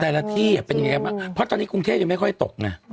ที่เป็นยังไงบ้างเพราะตอนนี้กรุงเทพยังไม่ค่อยตกไง